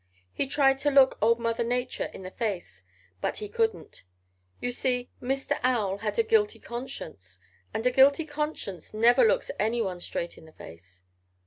He tried to look old Mother Nature in the face, but he couldn't. You see, Mr. Owl had a guilty conscience and a guilty conscience never looks anyone straight in the face.